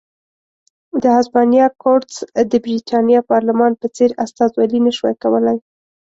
د هسپانیا کورتس د برېټانیا پارلمان په څېر استازولي نه شوای کولای.